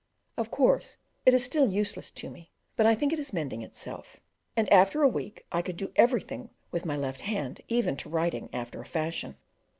Of course it is still useless to me, but I think it is mending itself; and after a week I could do everything with my left hand, even to writing, after a fashion.